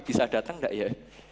bisa dateng gak ya